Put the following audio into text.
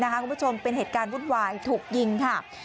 คุณผู้ชมเป็นเหตุการณ์วุ่นวายถูกยิงค่ะ